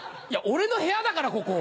俺の部屋だからここ。